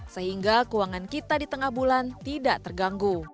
sehingga keuangan kita di tengah bulan tidak terganggu